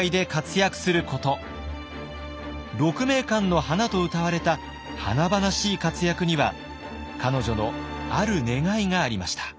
鹿鳴館の華とうたわれた華々しい活躍には彼女のある願いがありました。